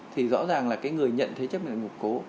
thì rõ ràng là cái người nhận thế chấp này ngục cố